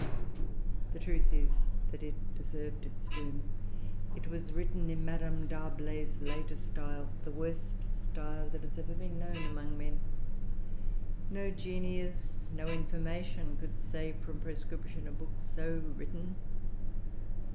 The truth is, that it deserved its doom. It was written in Madame D'Arblay's later style, the worst style that has ever been known among[Pg 333] men. No genius, no information, could save from proscription a book so written.